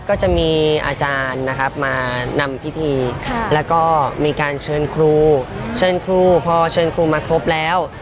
ก็จะมีอาจารย์นะครับมานำพิธีแล้วก็มีการเชิญครูเชิญครูพอเชิญครูมาครบแล้ว